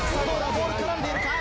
ボール絡んでいるか？